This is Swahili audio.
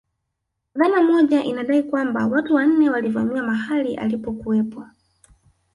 Dhana moja inadai kwamba watu wanne walivamia mahali alipokuwepo